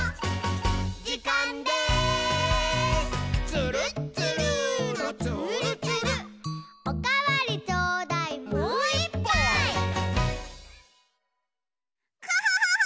「つるっつるーのつーるつる」「おかわりちょうだい」「もういっぱい！」ハハハハ！